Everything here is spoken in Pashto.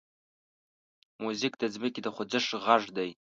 موزیک د ځمکې د خوځښت غږ دی.